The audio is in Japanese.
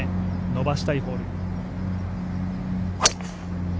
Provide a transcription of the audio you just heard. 伸ばしたいホール。